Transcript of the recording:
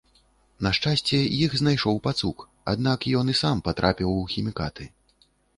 На шчасце, іх знайшоў пацук, аднак ён і сам патрапіў у хімікаты.